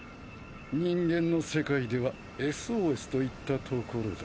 人間の世界ではＳＯＳといったところだ。